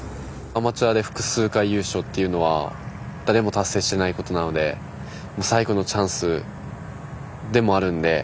アマチュアで複数回優勝というのは誰も達成していないことなので最後のチャンスでもあるので。